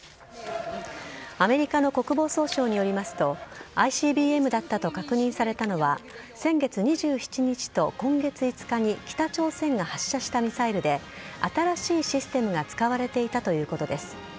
アメリカの国防総省によりますとＩＣＢＭだったと確認されたのは先月２７日と今月５日に北朝鮮が発射したミサイルで新しいシステムが使われていたということです。